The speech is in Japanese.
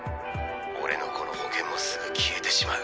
俺のこの保険もすぐ消えてしまう。